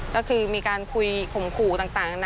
ก็คือมีการคุยข่มขู่ต่างนะ